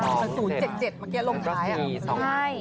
สักสูตรเจ็ดเมื่อกี้ลงท้าย